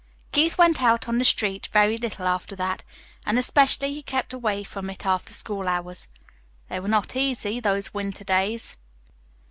Keith went out on the street very little after that, and especially he kept away from it after school hours. They were not easy those winter days.